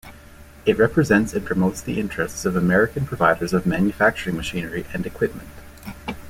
It represents and promotes the interests of American providers of manufacturing machinery and equipment.